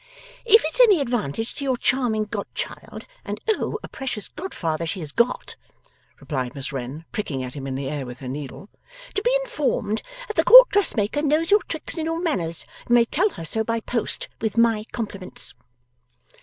'If it's any advantage to your charming godchild and oh, a precious godfather she has got!' replied Miss Wren, pricking at him in the air with her needle, 'to be informed that the Court Dressmaker knows your tricks and your manners, you may tell her so by post, with my compliments.